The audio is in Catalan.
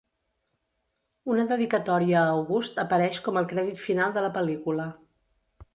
Una dedicatòria a August apareix com el crèdit final de la pel·lícula.